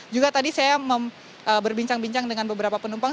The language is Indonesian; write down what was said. juga tadi saya berbincang bincang dengan beberapa penumpang